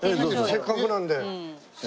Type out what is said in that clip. せっかくなんで。